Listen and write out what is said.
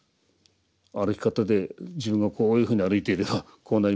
歩き方で自分がこういうふうに歩いていればこうなりましょう？